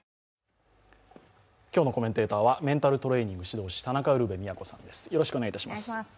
今日のコメンテーターはメンタルトレーニング指導士田中ウルヴェ京さんです。